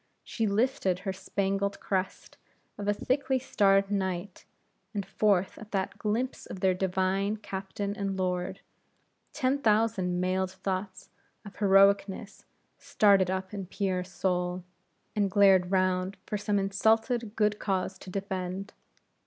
She lifted her spangled crest of a thickly starred night, and forth at that glimpse of their divine Captain and Lord, ten thousand mailed thoughts of heroicness started up in Pierre's soul, and glared round for some insulted good cause to defend.